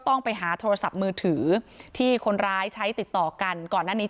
ต้องไปหาโทรศัพท์มือถือที่คนร้ายใช้ติดต่อกันก่อนหน้านี้